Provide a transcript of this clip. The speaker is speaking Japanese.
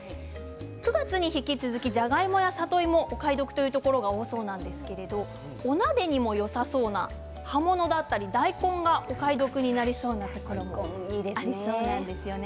９月に引き続き、じゃがいもや里芋がお買い得なところが多そうなんですがお鍋にもよさそうな葉物だったり大根がお買い得になりそうなところもありますね。